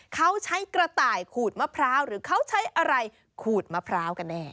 เขาใช้กระต่ายขูดมะพร้าวหรือเขาใช้อะไรขูดมะพร้าวกันแน่